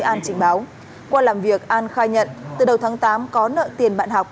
an trình báo qua làm việc an khai nhận từ đầu tháng tám có nợ tiền bạn học